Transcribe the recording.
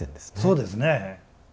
そうですね。